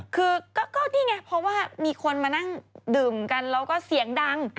คือก็นี่ไงเพราะว่ามีคนมานั่งดื่มกันแล้วก็เสียงดัง